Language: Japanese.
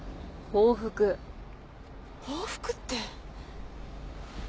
報復って。